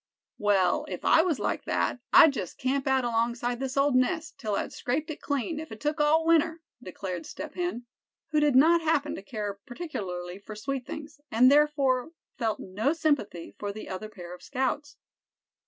"Well, if I was like that, I'd just camp out alongside this old nest, till I'd scraped it clean, if it took all winter," declared Step Hen; who did not happen to care particularly for sweet things, and therefore felt no sympathy for the other pair of scouts.